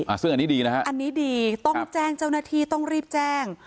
ซึ่งอันนี้ดีนะฮะอันนี้ดีต้องแจ้งเจ้าหน้าที่ต้องรีบแจ้ง